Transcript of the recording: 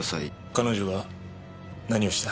彼女が何をした？